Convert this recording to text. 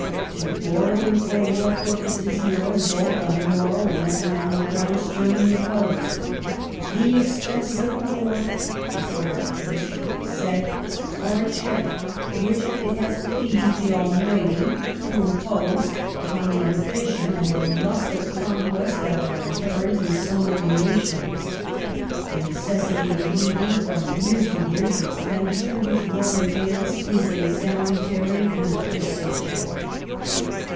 To borrowing for war purposes he was, both on moral and economic gi'ounds, sternly opposed. " The expenses of a war," he characteristically said, " are a check which it has pleased the Almighty to impose upon the ambition and the lust of conquest that are inherent in so many nations. ... The necessity of meeting from year to year the expenditure which war entails is a salutary and a wholesome check."